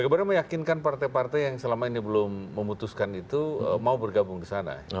karena meyakinkan partai partai yang selama ini belum memutuskan itu mau bergabung kesana